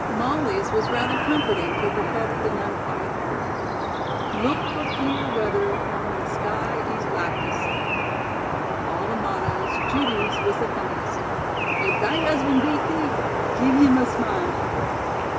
Molly's was rather comforting to her troubled and unquiet heart. "Look for cleer weather when the sky ees blackest." Of all the mottoes, Judy's was the funniest. "Eef thy hus band beat thee, geeve heem a smile."